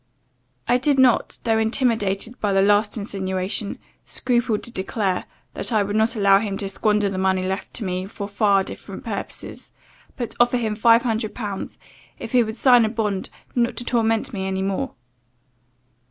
I did not, though intimidated by the last insinuation, scruple to declare, that I would not allow him to squander the money left to me for far different purposes, but offered him five hundred pounds, if he would sign a bond not to torment me any more.